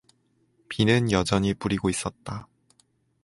비는 여전이 뿌리고 있었다.